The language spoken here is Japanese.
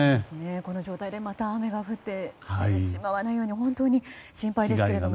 この状態でまた雨が降ってしまわないように本当に心配ですけども。